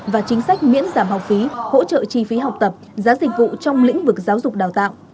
và chính sách miễn giảm học phí hỗ trợ chi phí học tập giá dịch vụ trong lĩnh vực giáo dục đào tạo